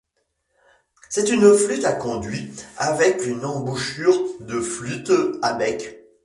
C'est une flûte à conduit, avec une embouchure de flûte à bec.